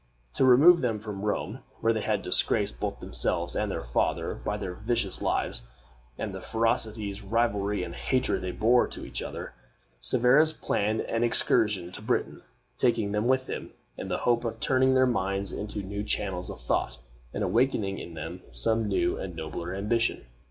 To remove them from Rome, where they disgraced both themselves and their father by their vicious lives, and the ferocious rivalry and hatred they bore to each other, Severus planned an excursion to Britain, taking them with him, in the hope of turning their minds into new channels of thought, and awakening in them some new and nobler ambition.